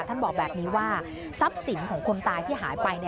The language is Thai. ท่านบอกแบบนี้ว่าทรัพย์สินของคนตายที่หายไป